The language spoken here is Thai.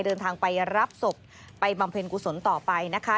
เดินทางไปรับศพไปบำเพ็ญกุศลต่อไปนะคะ